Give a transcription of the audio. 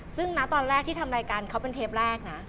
ซึ่งนะตอนแรกที่ทำรายการเขาเป็นเทปแรกนะ